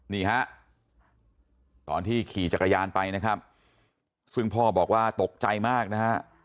นี่ฮะตอนที่ขี่จักรยานไปนะครับซึ่งพ่อบอกว่าตกใจมากนะฮะ